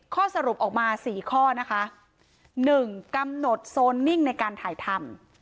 ข้อสรุปออกมาสี่ข้อนะคะ๑กำหนดโซนนิ่งในการถ่ายทำ